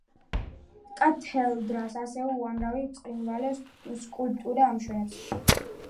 კათედრალს ასევე უამრავი ბრწყინვალე სკულპტურა ამშვენებს.